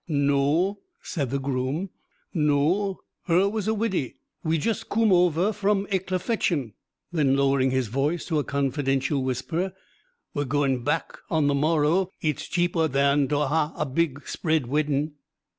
"Noo," said the groom; "noo, her was a widdie we just coom over fram Ecclefechan"; then, lowering his voice to a confidential whisper, "We're goin' baack on the morrow. It's cheaper thaan to ha' a big, spread weddin'."